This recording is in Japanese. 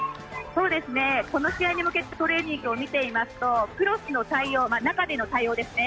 この試合に向けてのトレーニングを見ていますとクロスの対応、中での対応ですね。